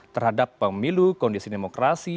terhadap pemilu kondisi demokrasi